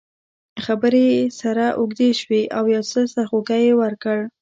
خبرې یې سره اوږدې شوې او یو څه سرخوږی یې ورکړ.